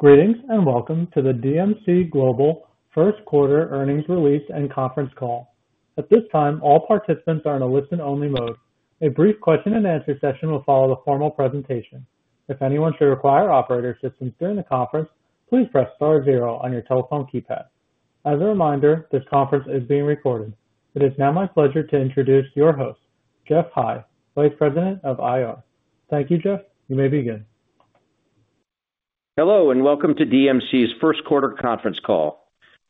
Greetings and welcome to the DMC Global First Quarter Earnings Release and Conference Call. At this time, all participants are in a listen-only mode. A brief question-and-answer session will follow the formal presentation. If anyone should require operator assistance during the conference, please press star zero on your telephone keypad. As a reminder, this conference is being recorded. It is now my pleasure to introduce your host, Geoff High, Vice President of IR. Thank you, Geoff. You may begin. Hello and welcome to DMC's First Quarter Conference Call.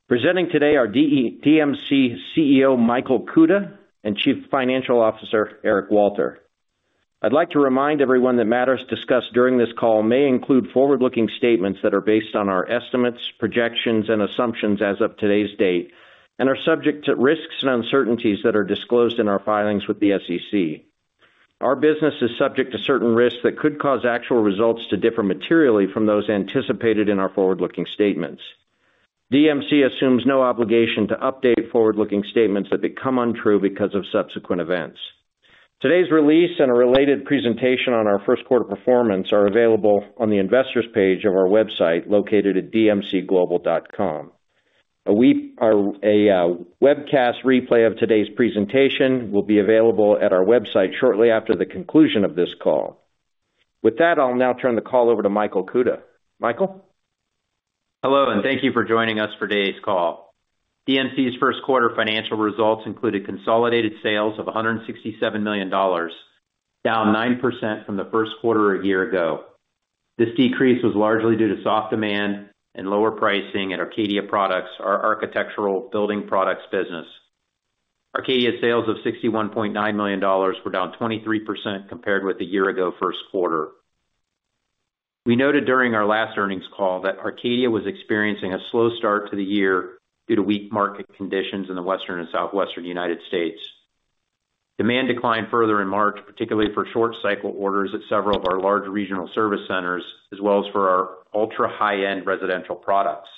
Presenting today are DMC CEO Michael Kuta and Chief Financial Officer Eric Walter. I'd like to remind everyone that matters discussed during this call may include forward-looking statements that are based on our estimates, projections, and assumptions as of today's date, and are subject to risks and uncertainties that are disclosed in our filings with the SEC. Our business is subject to certain risks that could cause actual results to differ materially from those anticipated in our forward-looking statements. DMC assumes no obligation to update forward-looking statements that become untrue because of subsequent events. Today's release and a related presentation on our First Quarter Performance are available on the investors page of our website located at dmcglobal.com. A webcast replay of today's presentation will be available at our website shortly after the conclusion of this call. With that, I'll now turn the call over to Michael Kuta. Michael? Hello and thank you for joining us for today's call. DMC's first quarter financial results included consolidated sales of $167 million, down 9% from the first quarter a year ago. This decrease was largely due to soft demand and lower pricing at Arcadia Products, our architectural building products business. Arcadia's sales of $61.9 million were down 23% compared with the year-ago first quarter. We noted during our last earnings call that Arcadia was experiencing a slow start to the year due to weak market conditions in the western and southwestern United States. Demand declined further in March, particularly for short-cycle orders at several of our large regional service centers, as well as for our ultra-high-end residential products.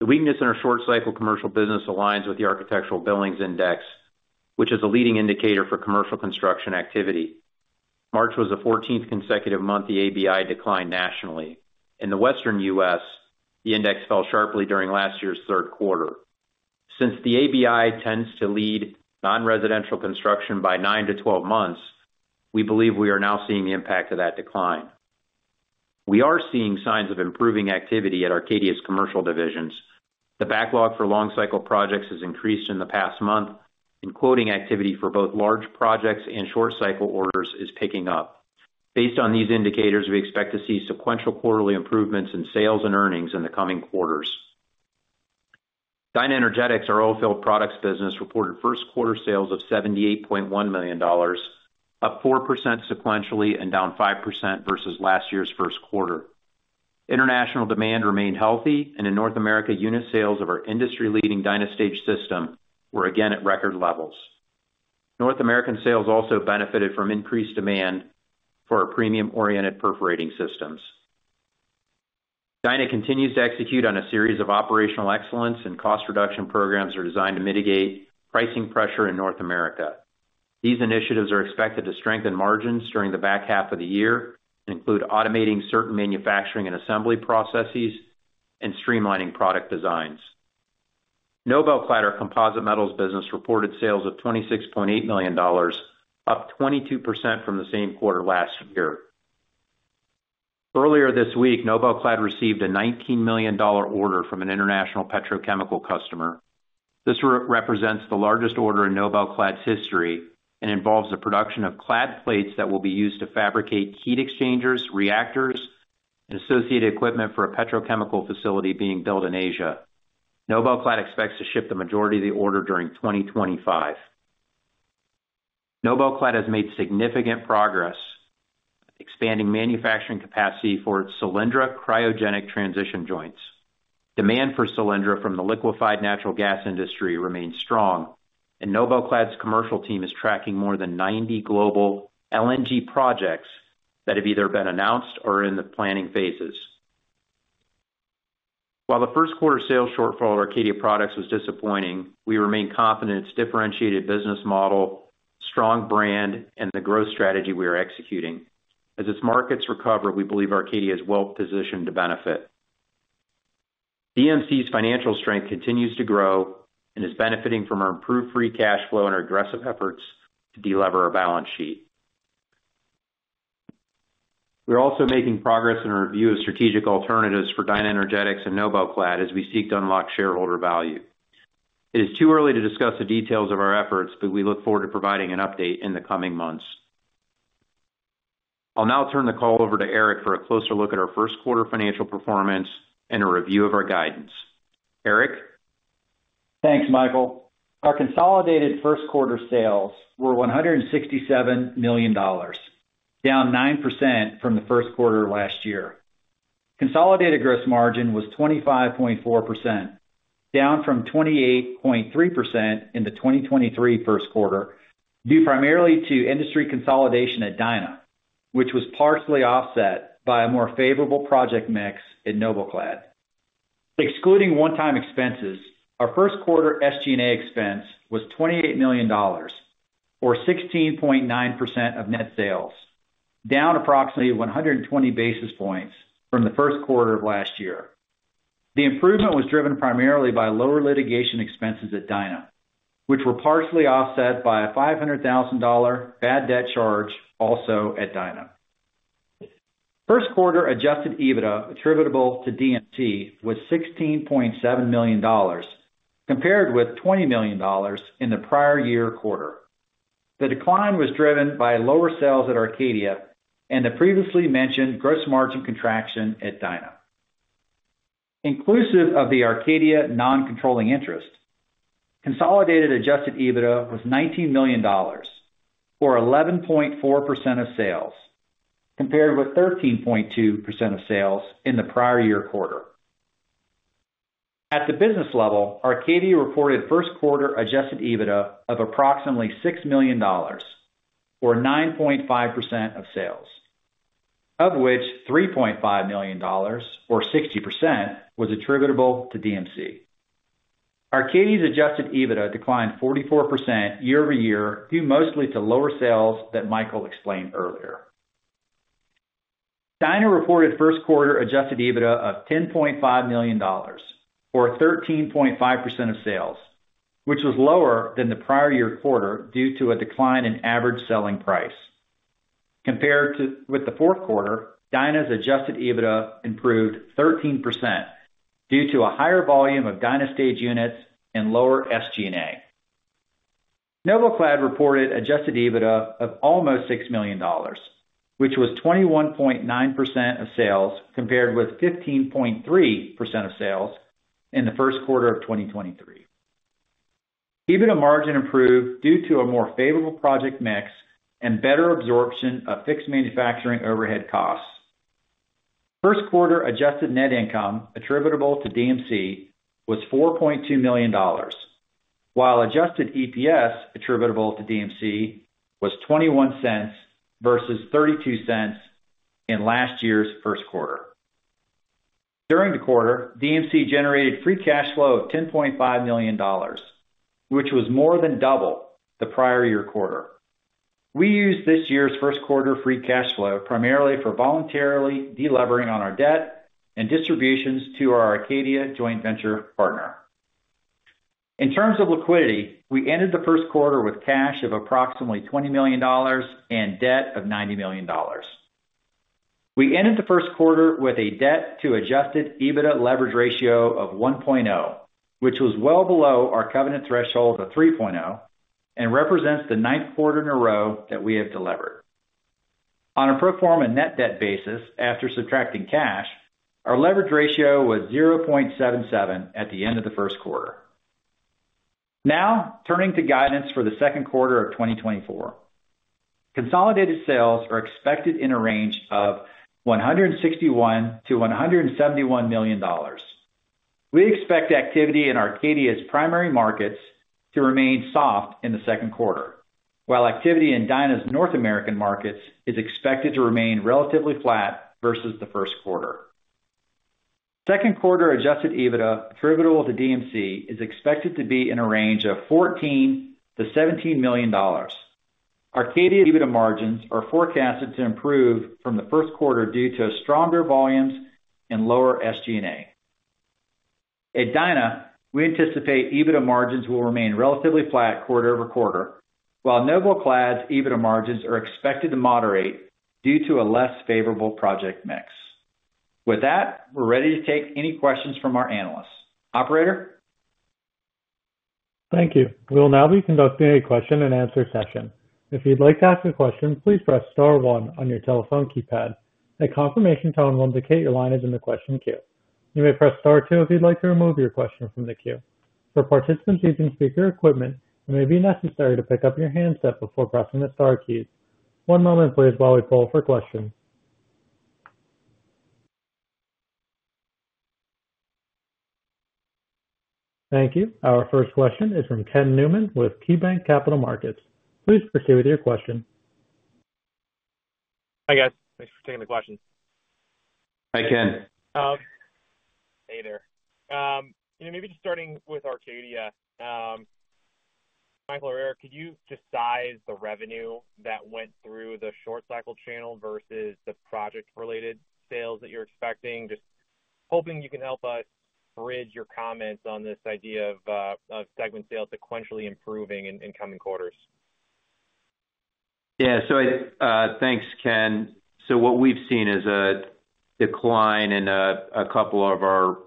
The weakness in our short-cycle commercial business aligns with the Architectural Billings Index, which is a leading indicator for commercial construction activity. March was the 14th consecutive month the ABI declined nationally. In the western U.S., the index fell sharply during last year's third quarter. Since the ABI tends to lead non-residential construction by nine months-12 months, we believe we are now seeing the impact of that decline. We are seeing signs of improving activity at Arcadia's commercial divisions. The backlog for long-cycle projects has increased in the past month, and quoting activity for both large projects and short-cycle orders is picking up. Based on these indicators, we expect to see sequential quarterly improvements in sales and earnings in the coming quarters. DynaEnergetics, our oilfield products business, reported first quarter sales of $78.1 million, up 4% sequentially and down 5% versus last year's first quarter. International demand remained healthy, and in North America, unit sales of our industry-leading DynaStage system were again at record levels. North American sales also benefited from increased demand for our premium-oriented perforating systems. Dyna continues to execute on a series of operational excellence and cost reduction programs that are designed to mitigate pricing pressure in North America. These initiatives are expected to strengthen margins during the back half of the year and include automating certain manufacturing and assembly processes and streamlining product designs. NobelClad, our composite metals business, reported sales of $26.8 million, up 22% from the same quarter last year. Earlier this week, NobelClad received a $19 million order from an international petrochemical customer. This represents the largest order in NobelClad's history and involves the production of clad plates that will be used to fabricate heat exchangers, reactors, and associated equipment for a petrochemical facility being built in Asia. NobelClad expects to ship the majority of the order during 2025. NobelClad has made significant progress expanding manufacturing capacity for its Cylindra cryogenic transition joints. Demand for Cylindra from the liquefied natural gas industry remains strong, and NobelClad's commercial team is tracking more than 90 global LNG projects that have either been announced or are in the planning phases. While the first quarter sales shortfall at Arcadia Products was disappointing, we remain confident in its differentiated business model, strong brand, and the growth strategy we are executing. As its markets recover, we believe Arcadia is well positioned to benefit. DMC's financial strength continues to grow and is benefiting from our improved free cash flow and our aggressive efforts to delever our balance sheet. We are also making progress in our review of strategic alternatives for DynaEnergetics and NobelClad as we seek to unlock shareholder value. It is too early to discuss the details of our efforts, but we look forward to providing an update in the coming months. I'll now turn the call over to Eric for a closer look at our First Quarter Financial Performance and a review of our guidance. Eric? Thanks, Michael. Our consolidated first quarter sales were $167 million, down 9% from the first quarter last year. Consolidated gross margin was 25.4%, down from 28.3% in the 2023 first quarter, due primarily to industry consolidation at Dyna, which was partially offset by a more favorable project mix at NobelClad. Excluding one-time expenses, our first quarter SG&A expense was $28 million, or 16.9% of net sales, down approximately 120 basis points from the first quarter of last year. The improvement was driven primarily by lower litigation expenses at Dyna, which were partially offset by a $500,000 bad debt charge also at Dyna. First quarter adjusted EBITDA attributable to DMC was $16.7 million, compared with $20 million in the prior year quarter. The decline was driven by lower sales at Arcadia and the previously mentioned gross margin contraction at Dyna. Inclusive of the Arcadia non-controlling interest, consolidated Adjusted EBITDA was $19 million, or 11.4% of sales, compared with 13.2% of sales in the prior year quarter. At the business level, Arcadia reported first quarter Adjusted EBITDA of approximately $6 million, or 9.5% of sales, of which $3.5 million, or 60%, was attributable to DMC. Arcadia's Adjusted EBITDA declined 44% year-over-year, due mostly to lower sales that Michael explained earlier. Dyna reported first quarter Adjusted EBITDA of $10.5 million, or 13.5% of sales, which was lower than the prior year quarter due to a decline in average selling price. Compared with the fourth quarter, Dyna's Adjusted EBITDA improved 13% due to a higher volume of DynaStage units and lower SG&A. NobelClad reported Adjusted EBITDA of almost $6 million, which was 21.9% of sales compared with 15.3% of sales in the first quarter of 2023. EBITDA margin improved due to a more favorable project mix and better absorption of fixed manufacturing overhead costs. First quarter adjusted net income attributable to DMC was $4.2 million, while adjusted EPS attributable to DMC was $0.21 versus $0.32 in last year's first quarter. During the quarter, DMC generated free cash flow of $10.5 million, which was more than double the prior year quarter. We used this year's first quarter free cash flow primarily for voluntarily delevering on our debt and distributions to our Arcadia joint venture partner. In terms of liquidity, we ended the first quarter with cash of approximately $20 million and debt of $90 million. We ended the first quarter with a debt-to-adjusted EBITDA leverage ratio of 1.0, which was well below our covenant threshold of 3.0 and represents the ninth quarter in a row that we have delevered. On a pro forma net debt basis, after subtracting cash, our leverage ratio was 0.77 at the end of the first quarter. Now, turning to guidance for the second quarter of 2024. Consolidated sales are expected in a range of $161 million-$171 million. We expect activity in Arcadia's primary markets to remain soft in the second quarter, while activity in Dyna's North American markets is expected to remain relatively flat versus the first quarter. Second quarter adjusted EBITDA attributable to DMC is expected to be in a range of $14 million-$17 million. Arcadia's EBITDA margins are forecasted to improve from the first quarter due to stronger volumes and lower SG&A. At Dyna, we anticipate EBITDA margins will remain relatively flat quarter over quarter, while NobelClad's EBITDA margins are expected to moderate due to a less favorable project mix. With that, we're ready to take any questions from our analysts. Operator? Thank you. We will now be conducting a question-and-answer session. If you'd like to ask a question, please press star one on your telephone keypad. A confirmation tone will indicate your line is in the question queue. You may press star two if you'd like to remove your question from the queue. For participants using speaker equipment, it may be necessary to pick up your handset before pressing the star keys. One moment, please, while we pull for questions. Thank you. Our first question is from Ken Newman with KeyBanc Capital Markets. Please proceed with your question. Hi, guys. Thanks for taking the question. Hi, Ken. Hey there. Maybe just starting with Arcadia. Michael or Eric, could you just size the revenue that went through the short-cycle channel versus the project-related sales that you're expecting? Just hoping you can help us bridge your comments on this idea of segment sales sequentially improving in coming quarters. Yeah. So thanks, Ken. So what we've seen is a decline in a couple of our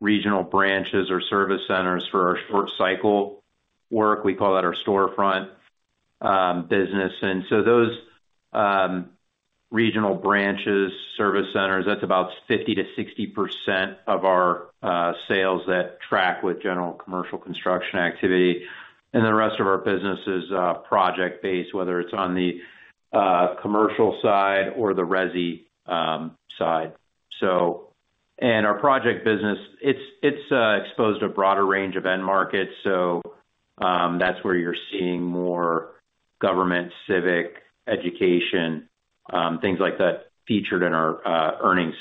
regional branches or service centers for our short-cycle work. We call that our storefront business. And so those regional branches, service centers, that's about 50%-60% of our sales that track with general commercial construction activity. And then the rest of our business is project-based, whether it's on the commercial side or the resi side. And our project business, it's exposed to a broader range of end markets, so that's where you're seeing more government, civic, education, things like that featured in our earnings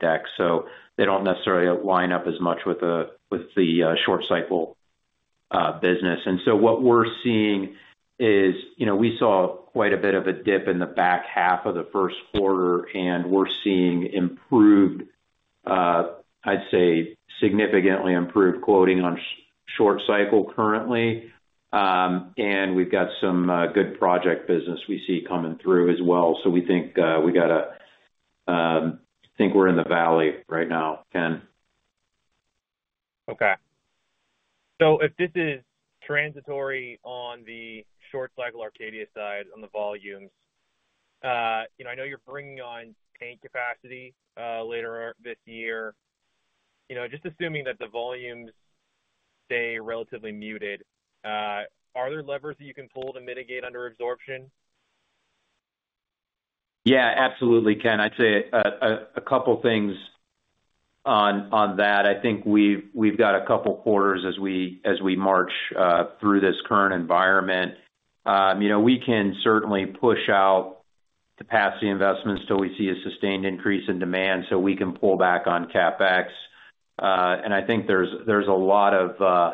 deck. So they don't necessarily line up as much with the short-cycle business. And so what we're seeing is we saw quite a bit of a dip in the back half of the first quarter, and we're seeing improved, I'd say, significantly improved quoting on short-cycle currently. We've got some good project business we see coming through as well. So we think we got to. I think we're in the valley right now, Ken. Okay. So if this is transitory on the short-cycle Arcadia side, on the volumes, I know you're bringing on paint capacity later this year. Just assuming that the volumes stay relatively muted, are there levers that you can pull to mitigate under absorption? Yeah, absolutely, Ken. I'd say a couple of things on that. I think we've got a couple of quarters as we march through this current environment. We can certainly push out capacity investments till we see a sustained increase in demand so we can pull back on CapEx. And I think there's a lot of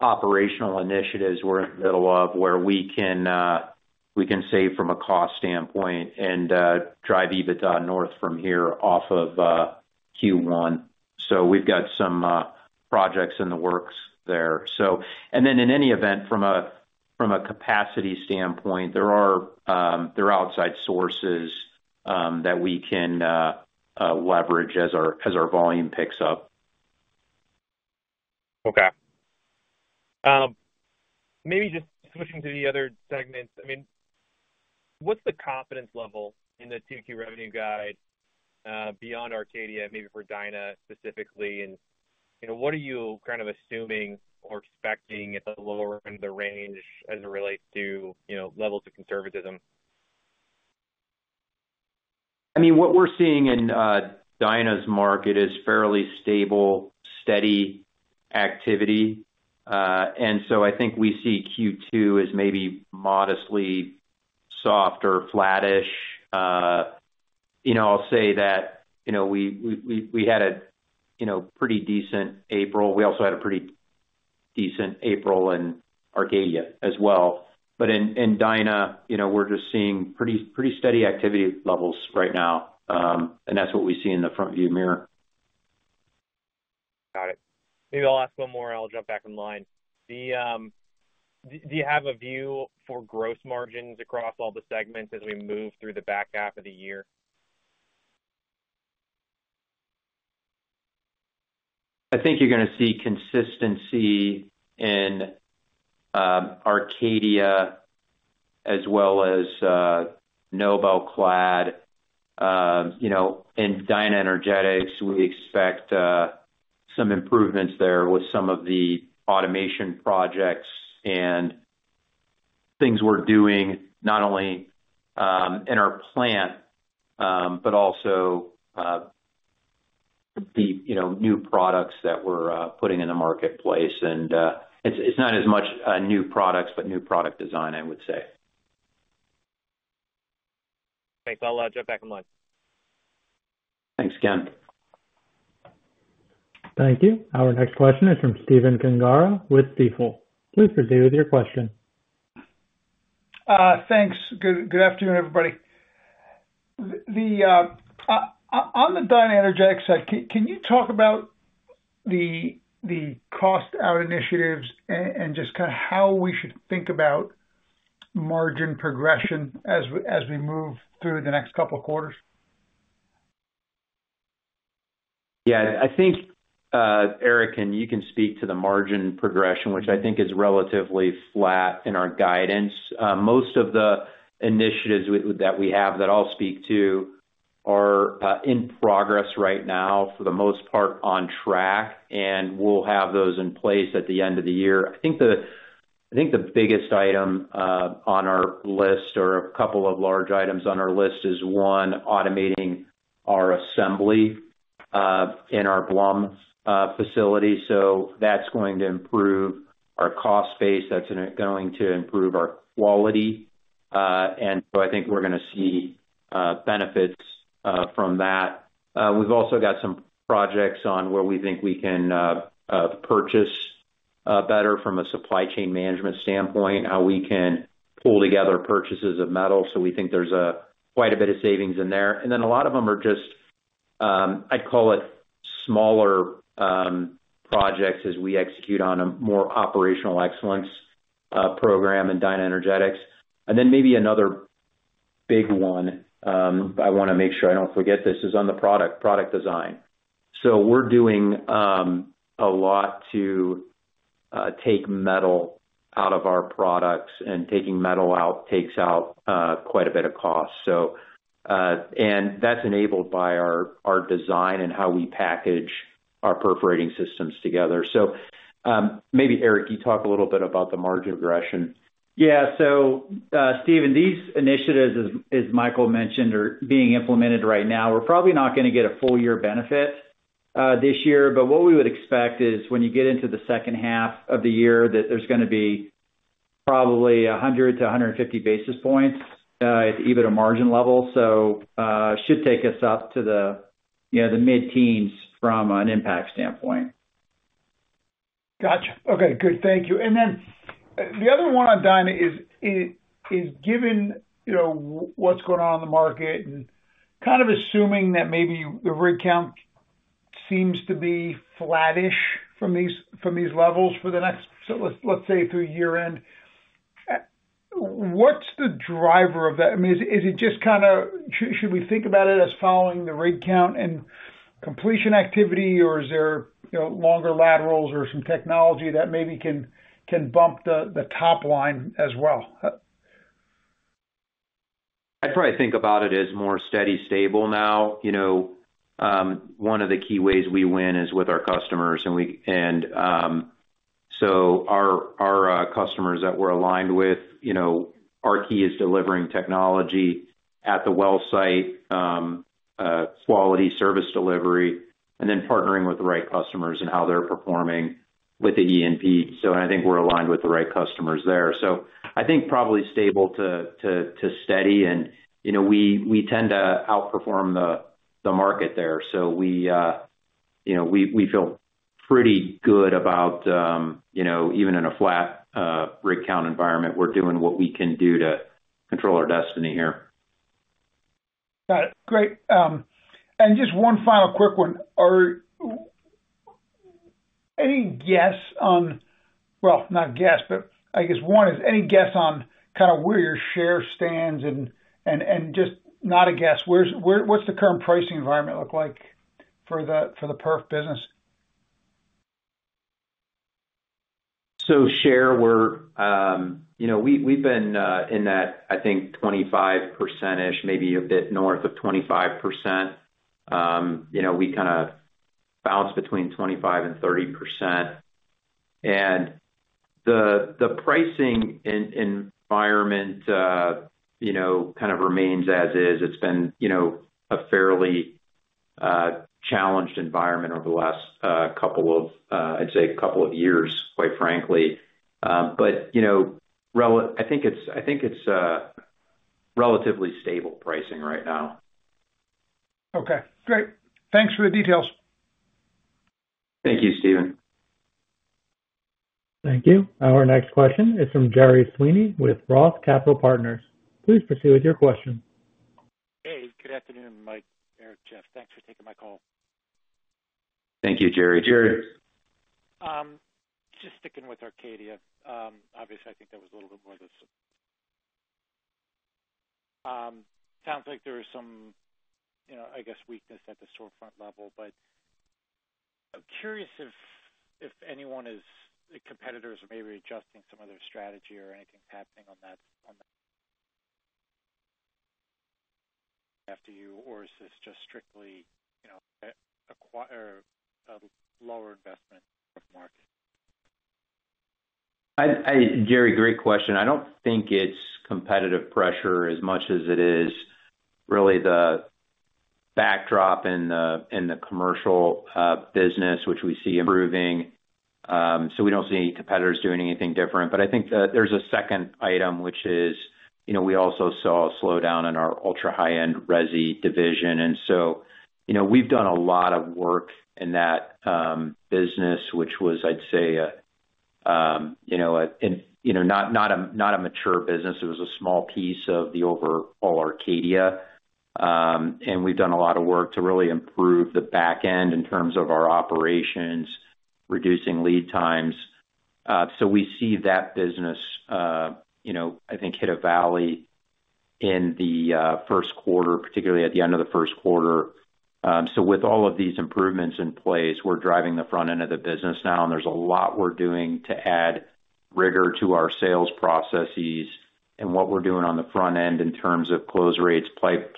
operational initiatives we're in the middle of where we can save from a cost standpoint and drive EBITDA north from here off of Q1. So we've got some projects in the works there. And then in any event, from a capacity standpoint, there are outside sources that we can leverage as our volume picks up. Okay. Maybe just switching to the other segments. I mean, what's the confidence level in the 2Q revenue guide beyond Arcadia, maybe for Dyna specifically? And what are you kind of assuming or expecting at the lower end of the range as it relates to levels of conservatism? I mean, what we're seeing in Dyna's market is fairly stable, steady activity. And so I think we see Q2 as maybe modestly soft or flattish. I'll say that we had a pretty decent April. We also had a pretty decent April in Arcadia as well. But in Dyna, we're just seeing pretty steady activity levels right now, and that's what we see in the front-view mirror. Got it. Maybe I'll ask one more, and I'll jump back on the line. Do you have a view for gross margins across all the segments as we move through the back half of the year? I think you're going to see consistency in Arcadia as well as NobelClad. In DynaEnergetics, we expect some improvements there with some of the automation projects and things we're doing, not only in our plant but also the new products that we're putting in the marketplace. It's not as much new products, but new product design, I would say. Thanks. I'll jump back on the line. Thanks, Ken. Thank you. Our next question is from Stephen Gengaro with Stifel. Please proceed with your question. Thanks. Good afternoon, everybody. On the DynaEnergetics side, can you talk about the cost-out initiatives and just kind of how we should think about margin progression as we move through the next couple of quarters? Yeah. I think, Eric and you, can speak to the margin progression, which I think is relatively flat in our guidance. Most of the initiatives that we have that I'll speak to are in progress right now, for the most part, on track, and we'll have those in place at the end of the year. I think the biggest item on our list or a couple of large items on our list is, one, automating our assembly in our Blum facility. So that's going to improve our cost base. That's going to improve our quality. And so I think we're going to see benefits from that. We've also got some projects on where we think we can purchase better from a supply chain management standpoint, how we can pull together purchases of metal. So we think there's quite a bit of savings in there. And then a lot of them are just, I'd call it, smaller projects as we execute on a more operational excellence program in DynaEnergetics. And then maybe another big one, I want to make sure I don't forget this, is on the product design. So we're doing a lot to take metal out of our products, and taking metal out takes out quite a bit of cost. And that's enabled by our design and how we package our perforating systems together. So maybe, Eric, you talk a little bit about the margin progression. Yeah. So, Steven, these initiatives, as Michael mentioned, are being implemented right now. We're probably not going to get a full-year benefit this year, but what we would expect is when you get into the second half of the year that there's going to be probably 100-150 basis points at the EBITDA margin level. So it should take us up to the mid-teens from an impact standpoint. Gotcha. Okay. Good. Thank you. And then the other one on Dyna is given what's going on in the market and kind of assuming that maybe the rig count seems to be flattish from these levels for the next, let's say, through year-end, what's the driver of that? I mean, is it just kind of should we think about it as following the rig count and completion activity, or is there longer laterals or some technology that maybe can bump the top line as well? I'd probably think about it as more steady, stable now. One of the key ways we win is with our customers. And so our customers that we're aligned with, our key is delivering technology at the well site, quality service delivery, and then partnering with the right customers and how they're performing with the E&P. So I think we're aligned with the right customers there. So I think probably stable to steady. And we tend to outperform the market there. So we feel pretty good about even in a flat rig count environment, we're doing what we can do to control our destiny here. Got it. Great. And just one final quick one. Any guess on well, not guess, but I guess one is any guess on kind of where your share stands? And just not a guess, what's the current pricing environment look like for the perf business? So share, we've been in that, I think, 25%-ish, maybe a bit north of 25%. We kind of bounce between 25% and 30%. The pricing environment kind of remains as is. It's been a fairly challenged environment over the last couple of I'd say a couple of years, quite frankly. I think it's relatively stable pricing right now. Okay. Great. Thanks for the details. Thank you, Steven. Thank you. Our next question is from Jerry Sweeney with Roth Capital Partners. Please proceed with your question. Hey. Good afternoon, Mike, Eric, Geoff. Thanks for taking my call. Thank you, Jerry. Jerry? Just sticking with Arcadia. Obviously, I think there was a little bit more to this. Sounds like there was some, I guess, weakness at the storefront level. But curious if any of your competitors are maybe adjusting some of their strategy or anything's happening on that front, or is this just strictly a lower end of the market? Jerry, great question. I don't think it's competitive pressure as much as it is really the backdrop in the commercial business, which we see improving. So we don't see any competitors doing anything different. But I think there's a second item, which is we also saw a slowdown in our ultra-high-end resi division. And so we've done a lot of work in that business, which was, I'd say, not a mature business. It was a small piece of all Arcadia. And we've done a lot of work to really improve the back end in terms of our operations, reducing lead times. So we see that business, I think, hit a valley in the first quarter, particularly at the end of the first quarter. So with all of these improvements in place, we're driving the front end of the business now. There's a lot we're doing to add rigor to our sales processes and what we're doing on the front end in terms of close rates,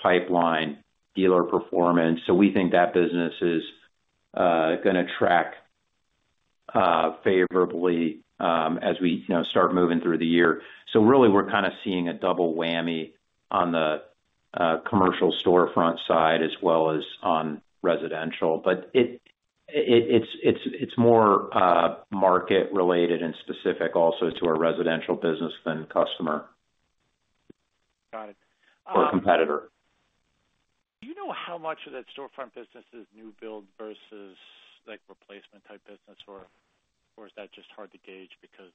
pipeline, dealer performance. We think that business is going to track favorably as we start moving through the year. Really, we're kind of seeing a double whammy on the commercial storefront side as well as on residential. But it's more market-related and specific also to our residential business than customer or competitor. Got it. Do you know how much of that storefront business is new build versus replacement-type business, or is that just hard to gauge because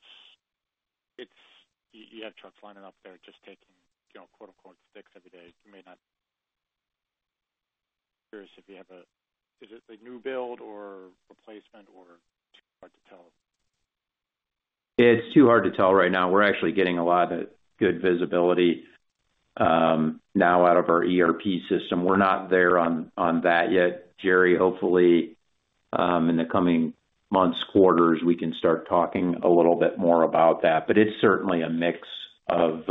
you have trucks lining up there just taking "sticks" every day? It's too hard to tell right now. We're actually getting a lot of good visibility now out of our ERP system. We're not there on that yet. Jerry, hopefully, in the coming months, quarters, we can start talking a little bit more about that. But it's certainly a mix of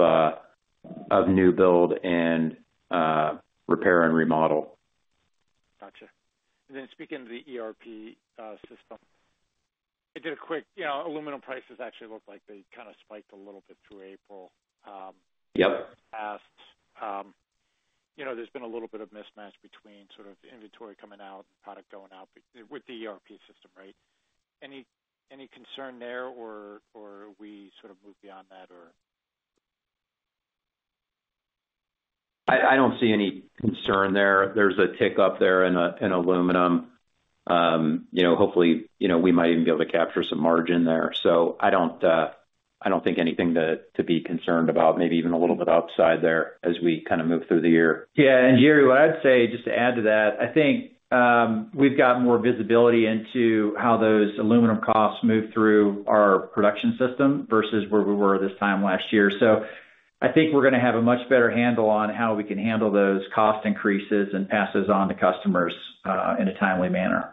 new build and repair and remodel. Gotcha. And then, speaking of the ERP system, I did a quick aluminum prices. Actually, looked like they kind of spiked a little bit through April. Yep. past, there's been a little bit of mismatch between sort of inventory coming out and product going out with the ERP system, right? Any concern there, or we sort of move beyond that, or? I don't see any concern there. There's a tick up there in aluminum. Hopefully, we might even be able to capture some margin there. So I don't think anything to be concerned about, maybe even a little bit upside there as we kind of move through the year. Yeah. Jerry, what I'd say just to add to that, I think we've got more visibility into how those aluminum costs move through our production system versus where we were this time last year. So I think we're going to have a much better handle on how we can handle those cost increases and pass those on to customers in a timely manner.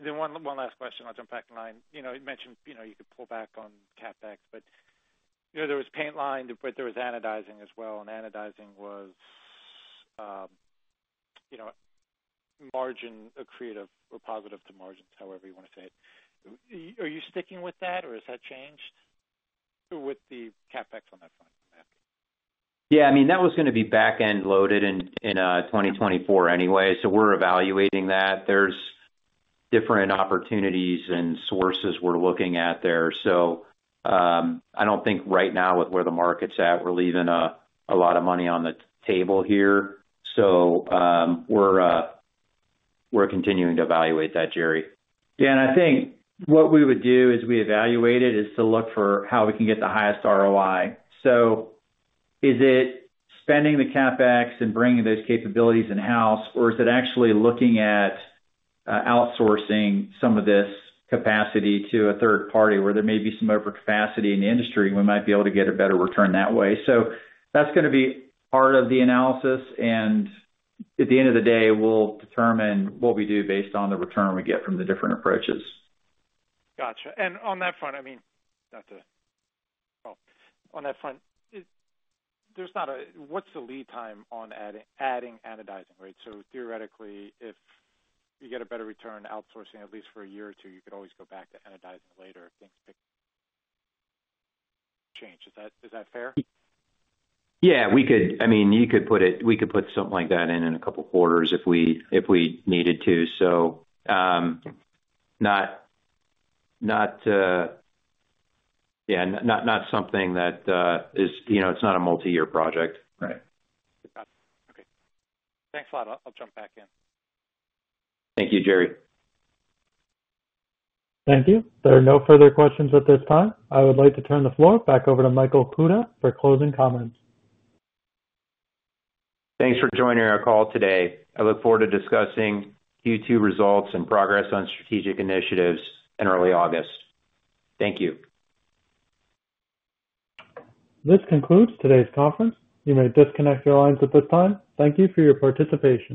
Then one last question. I'll jump back on the line. You mentioned you could pull back on CapEx, but there was paint line, but there was anodizing as well. Anodizing was margin accretive or positive to margins, however you want to say it. Are you sticking with that, or has that changed with the CapEx on that front? Yeah. I mean, that was going to be back-end loaded in 2024 anyway. So we're evaluating that. There's different opportunities and sources we're looking at there. So I don't think right now, with where the market's at, we're leaving a lot of money on the table here. So we're continuing to evaluate that, Jerry. Yeah. I think what we would do as we evaluate it is to look for how we can get the highest ROI. Is it spending the CapEx and bringing those capabilities in-house, or is it actually looking at outsourcing some of this capacity to a third party where there may be some overcapacity in the industry? We might be able to get a better return that way. That's going to be part of the analysis. At the end of the day, we'll determine what we do based on the return we get from the different approaches. Gotcha. And on that front, I mean, not to dwell, on that front, what's the lead time on adding anodizing, right? So theoretically, if you get a better return outsourcing, at least for a year or two, you could always go back to anodizing later if things change. Is that fair? Yeah. I mean, you could put it, we could put something like that in a couple of quarters if we needed to, so not, yeah, not something that is, it's not a multi-year project. Right. Gotcha. Okay. Thanks a lot. I'll jump back in. Thank you, Jerry. Thank you. There are no further questions at this time. I would like to turn the floor back over to Michael Kuta for closing comments. Thanks for joining our call today. I look forward to discussing Q2 results and progress on strategic initiatives in early August. Thank you. This concludes today's conference. You may disconnect your lines at this time. Thank you for your participation.